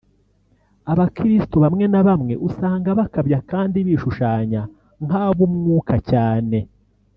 Abakiristo bamwe na bamwe usanga bakabya kandi bishushanya nk’ab’Umwuka cyane